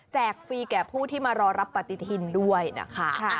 ฟรีแก่ผู้ที่มารอรับปฏิทินด้วยนะคะ